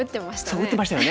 打ってましたよね。